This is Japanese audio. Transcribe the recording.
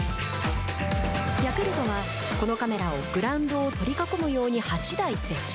ヤクルトはこのカメラをグラウンドを取り囲むように８台設置。